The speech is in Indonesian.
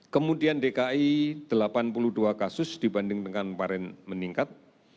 kemudian dki delapan puluh dua kasus dibanding dengan kemarin meningkat